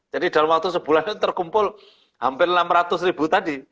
jadi dalam waktu sebulan itu terkumpul hampir enam ratus ribu tadi